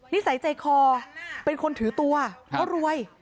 นิสัยใจคอเป็นคนถือตัวเพราะรวย